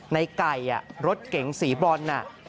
ในไก่รถเก่งสีบอลน่ะ